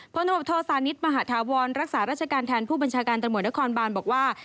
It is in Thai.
พศนศานิษฐ์มหาธาวรรณ์รักษาราชการแทนผู้บัญชาการตรนครบาลบอกว่า